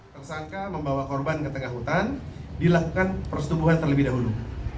tersangka membawa korban ke tengah hutan dilakukan persetubuhan terlebih dahulu